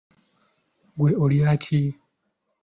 Gwe olya ki?